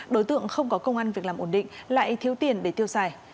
đối tượng không có công an việc làm ổn định lại thiếu tiền để tiêu xài